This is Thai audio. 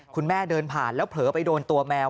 คุณแม่เดินผ่านแล้วเผลอไปโดนตัวแมว